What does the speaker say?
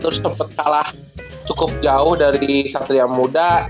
terus sempat kalah cukup jauh dari satria muda